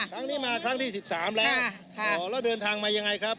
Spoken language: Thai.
ครั้งนี้มาครั้งที่๑๓แล้วแล้วเดินทางมายังไงครับ